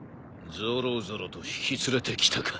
ぞろぞろと引き連れてきたか。